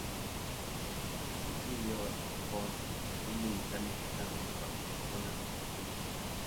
Cecilio Ocón fue un militar mexicano que participó en la Revolución Mexicana.